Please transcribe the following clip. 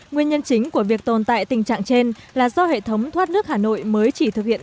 nguyên nhân chính của việc tồn tại tình trạng trên là do hệ thống thoát nước hà nội mới chỉ thực hiện